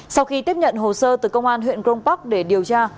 sau khi tiếp nhận hồ sơ từ công an huyện grong park để điều tra